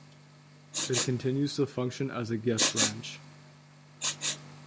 It continues to function as a guest ranch.